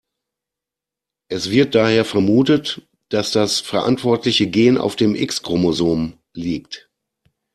Es wird daher vermutet, dass das verantwortliche Gen auf dem X-Chromosom liegt.